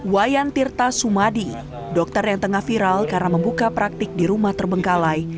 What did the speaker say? wayan tirta sumadi dokter yang tengah viral karena membuka praktik di rumah terbengkalai